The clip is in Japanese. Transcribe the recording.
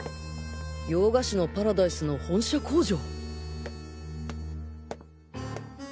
「洋菓子のパラダイス」の本社工場。